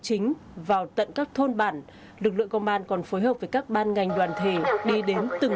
chính vào tận các thôn bản lực lượng công an còn phối hợp với các ban ngành đoàn thể đi đến từng